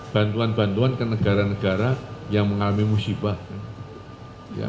bantuan bantuan ke negara negara yang mengalami musibah